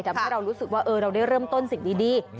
ทำให้เรารู้สึกว่าเราได้เริ่มต้นสิ่งดี